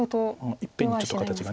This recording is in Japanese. いっぺんにちょっと形が。